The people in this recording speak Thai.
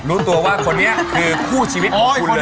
รู้ตัวว่าคนนี้คือคู่ชีวิตของคุณเลย